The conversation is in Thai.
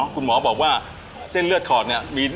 คุณหมอบอกว่าเส้นเลือดถอดเนี่ย